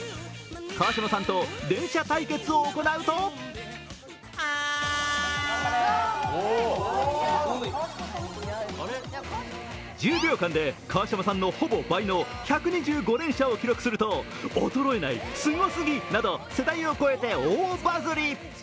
川島さんと連射対決を行うと１０秒間で川島さんのほぼ倍の１２５連射を記録すると衰えない、すごすぎなど世代を超えて大バズり。